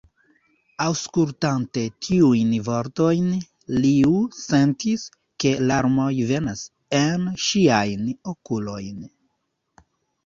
Aŭskultante tiujn vortojn, Liu sentis, ke larmoj venas en ŝiajn okulojn.